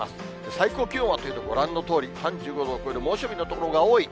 最高気温はというと、ご覧のとおり、３５度を超える猛暑日の所が多い。